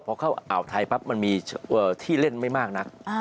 พอเข้าอ่าวไทยปั๊บมันมีที่เล่นไม่มากนัก